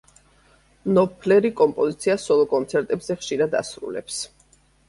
ნოპფლერი კომპოზიციას სოლო კონცერტებზე ხშირად ასრულებს.